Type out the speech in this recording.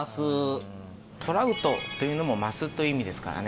トラウトというのも鱒という意味ですからね。